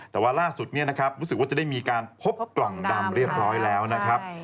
แต่ว่าล่าสุดเนี่ยนะครับรู้สึกว่าจะได้มีการพบกล่องดำเรียบร้อยแล้วนะครับ